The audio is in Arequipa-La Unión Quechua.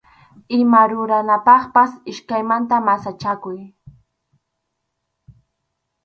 Ima ruranapaqpas iskaymanta masachakuy.